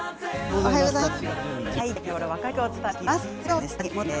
おはようございます。